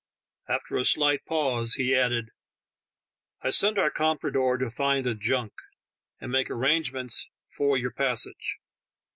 After a slight pause he added : "I sent our com prador to find a junk, and make arrangements for your passage.